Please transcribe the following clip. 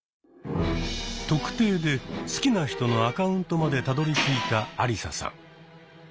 「特定」で好きな人のアカウントまでたどりついたアリサさん。